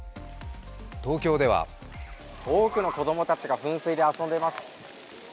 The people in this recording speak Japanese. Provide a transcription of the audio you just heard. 東京では多くの子供たちが噴水で遊んでいます。